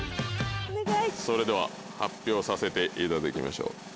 それでは発表させていただきましょう。